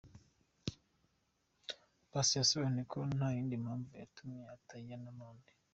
Paccy yasobanuye ko nta yindi mpamvu yatumye atajyana n'abandi.